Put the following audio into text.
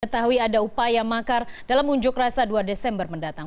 ketahui ada upaya makar dalam unjuk rasa dua desember mendatang